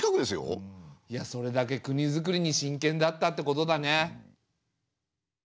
いやそれだけ国づくりにしんけんだったってことだね。